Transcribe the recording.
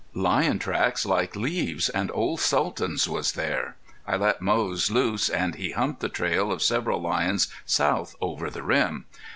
Lion tracks like leaves, and old Sultan's was there. I let Moze loose and he humped the trail of several lions south over the rim.